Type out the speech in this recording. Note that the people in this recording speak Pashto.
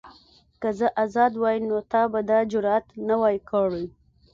که زه ازاد وای نو تا به دا جرئت نه وای کړی.